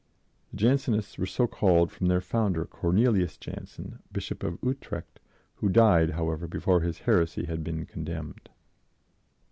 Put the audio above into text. * So called from their founder, Cornelius Jansen, Bishop of Utrecht, who died, however, before his heresy had been condemned.